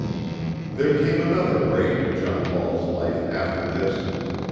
There came another break in John Ball's life after this.